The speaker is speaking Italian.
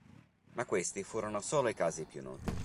Ma questi furono solo i casi più noti.